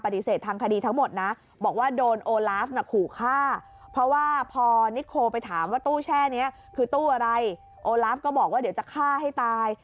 ตอนนิโคไปถามว่าตู้แช่นี้คือตู้อะไรโอลัฟก็บอกว่าเดี๋ยวจะฆ่าให้ตาย